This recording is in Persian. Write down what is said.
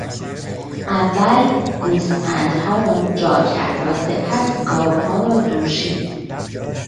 اول گوسفندها را جا کرد و سپس گاوها را دوشید.